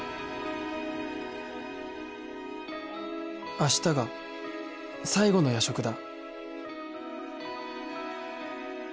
明日が最後の夜食だ